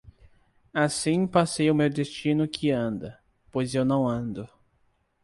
Assim passei o meu destino que anda, pois eu não ando;